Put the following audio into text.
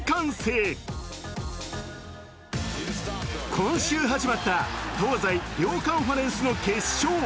今週始まった東西両カンファレンスの決勝。